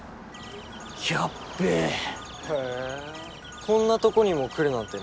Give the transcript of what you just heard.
やっべえへえーこんなとこにも来るなんて